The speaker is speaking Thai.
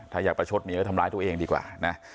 ถ้าอยากประชดหมีก็ทำร้ายตัวเองดีกว่านะ